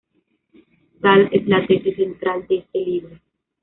Tal es la tesis central de este libro.